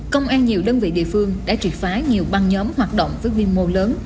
công an nhiều đơn vị địa phương đã truyệt phái nhiều băng nhóm hoạt động với vi mô lớn